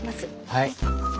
はい。